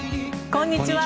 こんにちは。